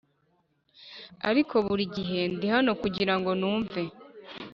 ariko buri gihe ndi hano kugirango numve